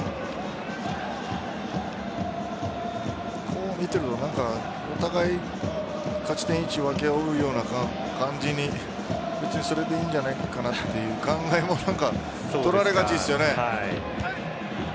こう見ているとお互い勝ち点１を分け合うような感じに別にそれでいいんじゃないかなという考えも取られがちですよね。